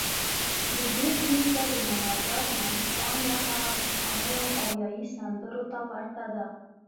د بېټ نیکه د مناجات منځپانګه هغه پخوانيو اریايي سندرو ته ورته ده.